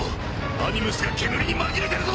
アニムスが煙に紛れてるぞ！